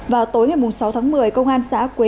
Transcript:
vào tối ngày sáu tháng một mươi công an xã quế